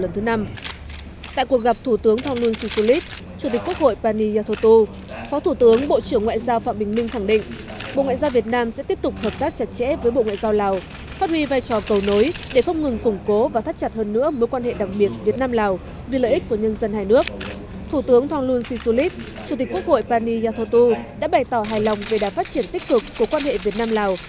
thủ tướng thong nguyen si su lít chủ tịch quốc hội pani yathotu đã bày tỏ hài lòng về đảm phát triển tích cực của quan hệ việt nam lào